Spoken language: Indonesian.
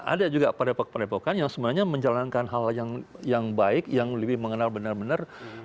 ada juga pak depokan pak depokan yang sebenarnya menjalankan hal yang baik yang lebih mengenal benar benar